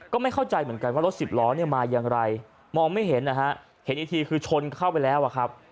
ก็ไม่เข้าใจเหมือนกันว่ารถสิบล้อเนี่ยมาอย่างไรมองไม่เห็นนะฮะเห็นอีกทีคือชนเข้าไปแล้วอะครับ